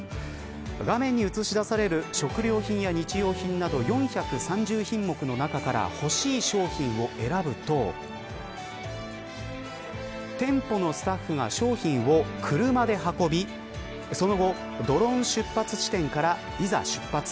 画面に映し出される食料品や日用品など４３０品目の中から欲しい商品を選ぶと店舗のスタッフが商品を車で運びその後ドローン出発地点からいざ出発。